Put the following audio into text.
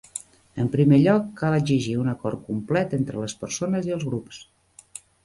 En primer lloc cal exigir un acord complet entre les persones i els grups.